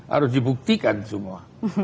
harus dibuktikan semua